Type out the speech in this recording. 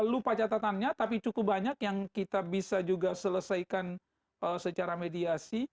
lupa catatannya tapi cukup banyak yang kita bisa juga selesaikan secara mediasi